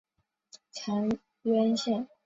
长渊线